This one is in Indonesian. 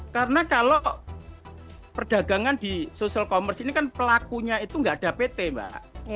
karena kalau perdagangan di social commerce ini kan pelakunya itu enggak ada pt mbak